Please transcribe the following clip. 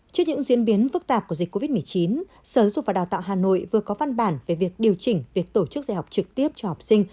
trước những diễn biến phức tạp của dịch covid một mươi chín sở giáo dục và đào tạo hà nội vừa có văn bản về việc điều chỉnh việc tổ chức dạy học trực tiếp cho học sinh